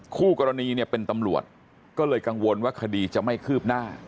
คู่กรณีเนี่ยเป็นตำรวจก็เลยกังวลว่าคดีจะไม่คืบหน้า